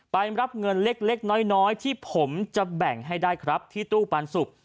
ไปรับเงินเล็กน้อยที่ผมจะแบ่งให้ได้ครับที่ตู้ปันสุก